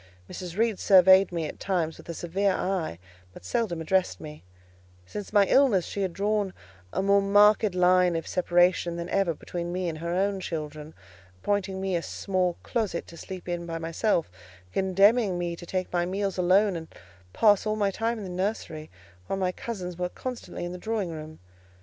Mrs. Reed surveyed me at times with a severe eye, but seldom addressed me: since my illness, she had drawn a more marked line of separation than ever between me and her own children; appointing me a small closet to sleep in by myself, condemning me to take my meals alone, and pass all my time in the nursery, while my cousins were constantly in the drawing room.